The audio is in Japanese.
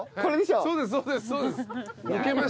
そうです